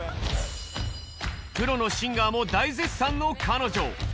プロのシンガーも大絶賛の彼女。